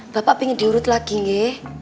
bapak pingin diurut lagi nge